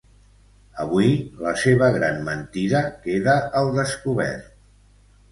Avui la seva gran mentida queda al descobert.